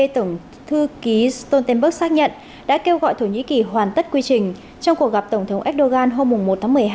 tổng thư ký stoltenberg xác nhận đã kêu gọi thổ nhĩ kỳ hoàn tất quy trình trong cuộc gặp tổng thống erdogan hôm một tháng một mươi hai